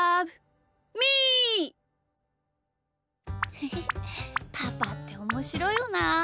へへパパっておもしろいよなあ。